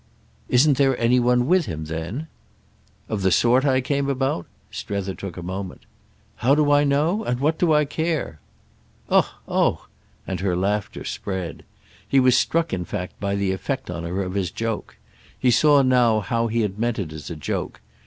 "Isn't there any one with him then?" "Of the sort I came out about?" Strether took a moment. "How do I know? And what do I care?" "Oh oh!"—and her laughter spread. He was struck in fact by the effect on her of his joke. He saw now how he meant it as a joke.